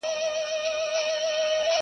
o کشکي دا اول عقل اخير واى٫